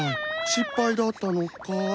失敗だったのかい？